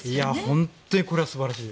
本当にこれは素晴らしい。